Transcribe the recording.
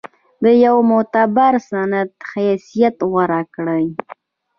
د یوه معتبر سند حیثیت غوره کړ.